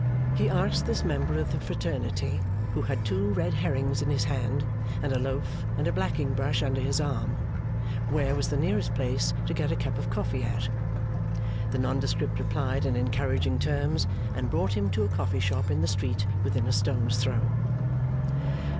He asked this member of the fraternity (who had two red herrings in his hand, and a loaf and a blacking brush under his arm), where was the nearest place to get a cup of coffee at. The nondescript replied in encouraging terms, and brought him to a coffee shop in the street within a stone's throw.